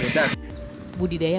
budidaya padi organik ini juga berbeda